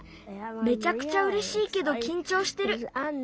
めちゃくちゃうれしいけどきんちょうしてる。